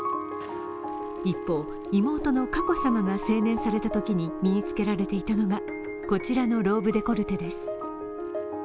一方、妹の佳子さまが成年されたときに身につけられていたのがこちらのローブデコルテです。